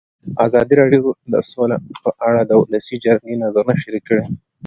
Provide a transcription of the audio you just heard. ازادي راډیو د سوله په اړه د ولسي جرګې نظرونه شریک کړي.